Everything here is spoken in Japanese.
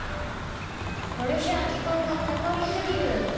これじゃあじかんがかかりすぎる。